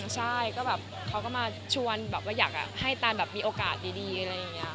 ใช่ก็แบบเขาก็มาชวนแบบว่าอยากให้ตานแบบมีโอกาสดีอะไรอย่างนี้